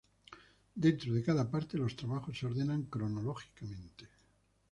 Dentro de cada parte, los trabajos se ordenan cronológicamente.